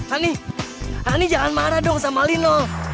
ani hani jangan marah dong sama lino